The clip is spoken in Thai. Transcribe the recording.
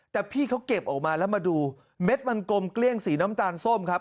แต่พี่เขาเก็บออกมาแล้วมาดูเม็ดมันกลมเกลี้ยงสีน้ำตาลส้มครับ